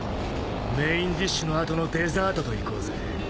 メインディッシュの後のデザートといこうぜ。